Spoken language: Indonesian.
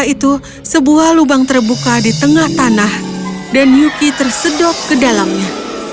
setelah itu sebuah lubang terbuka di tengah tanah dan yuki tersedot ke dalamnya